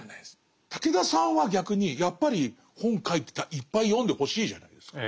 武田さんは逆にやっぱり本書いてたらいっぱい読んでほしいじゃないですか。